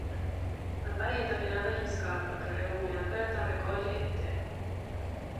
Aparenta que nada lle escapa, que reúne, aperta, recolle e ten.